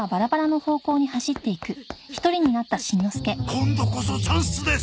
今度こそチャンスです！